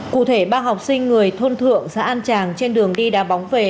cụ thể ba học sinh người thôn thượng xã an tràng trên đường đi đa bóng về